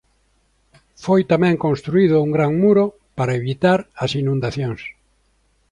Foi tamén construído un gran muro para evitar as inundacións.